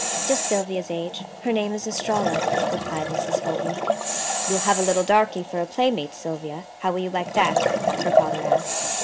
"Just Sylvia's age. Her name is Estralla," replied Mrs. Fulton. "You'll have a little darky for a playmate, Sylvia. How will you like that?" her father asked.